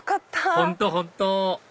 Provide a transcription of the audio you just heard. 本当本当！